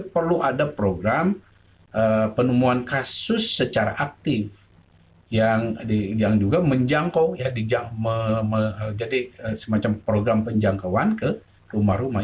perlu ada program penemuan kasus secara aktif yang juga menjangkau menjadi semacam program penjangkauan ke rumah rumah